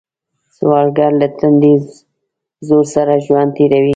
سوالګر له تندي زور سره ژوند تېروي